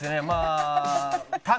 まあ。